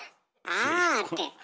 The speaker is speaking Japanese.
「あぁ」って。